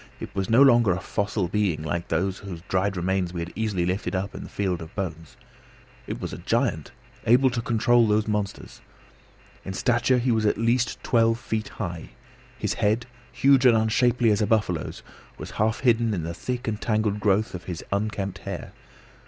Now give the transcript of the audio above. It was no longer a fossil being like him whose dried remains we had easily lifted up in the field of bones; it was a giant, able to control those monsters. In stature he was at least twelve feet high. His head, huge and unshapely as a buffalo's, was half hidden in the thick and tangled growth of his unkempt hair.